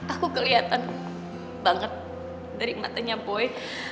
aku kelihatan banget dari matanya boy